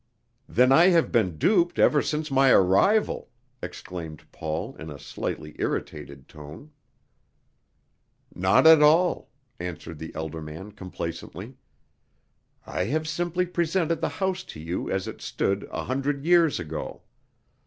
"Then I have been duped ever since my arrival!" exclaimed Paul in a slightly irritated tone. "Not at all," answered the elder man complacently. "I have simply presented the house to you as it stood a hundred years ago.